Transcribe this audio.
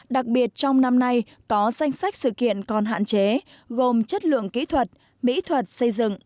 đặc biệt trong năm nay có danh sách sự kiện còn hạn chế gồm chất lượng kỹ thuật mỹ thuật xây dựng